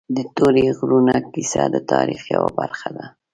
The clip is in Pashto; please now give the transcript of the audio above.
د تورې غرونو کیسه د تاریخ یوه برخه ده.